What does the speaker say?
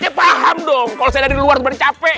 dia paham dong kalau saya dari luar baru capek